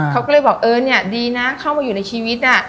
เขาก็เลยบอกเออเนี่ยดีนะเข้ามาอยู่ในชีวิต